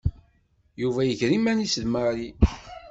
Yuba iger iman-is d Mary.